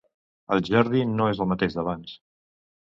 El Jordi no és el mateix d'abans.